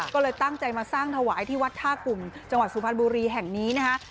ก็เลยตั้งใจมาสร้างถวายที่วัดท่ากลุ่มจังหวัดสุพรรณบุรีแห่งนี้นะคะ